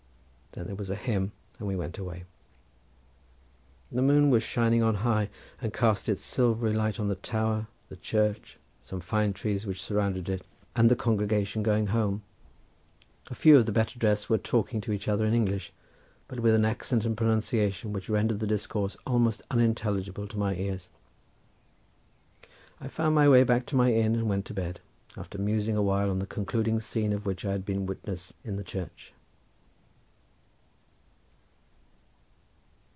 Then there was a hymn and we went away. The moon was shining on high and cast its silvery light on the tower, the church, some fine trees which surrounded it, and the congregation going home; a few of the better dressed were talking to each other in English, but with an accent and pronunciation which rendered the discourse almost unintelligible to my ears. I found my way back to my inn and went to bed after musing awhile on the concluding scene of which I had been witness in the church.